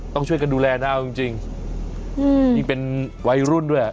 ต้องช่วยกันดูแลนะเอาจริงจริงอืมยังเป็นวัยรุ่นด้วยอ่ะ